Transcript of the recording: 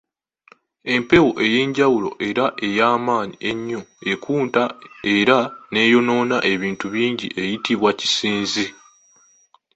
Empewo ey’enjawulo era ey’amaanyi ennyo ekunta era n’eyonoonya ebintu bingi eyitibwa Kisinsi.